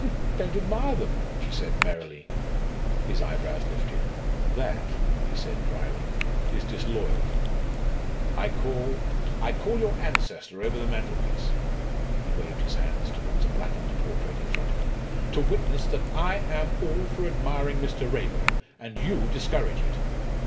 "Don't admire them!" she said merrily. His eyebrows lifted. "That," he said drily, "is disloyal. I call I call your ancestor over the mantelpiece" he waved his hand towards a blackened portrait in front of him "to witness, that I am all for admiring Mr. Raeburn, and you discourage it.